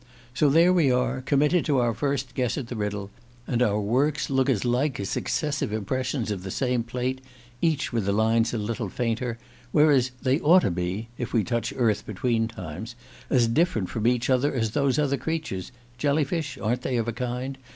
So there we are, committed to our first guess at the riddle; and our works look as like as successive impressions of the same plate, each with the lines a little fainter; whereas they ought to be if we touch earth between times as different from each other as those other creatures jellyfish, aren't they, of a kind?